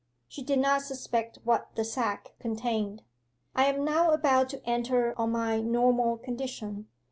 She did not suspect what the sack contained. 'I am now about to enter on my normal condition.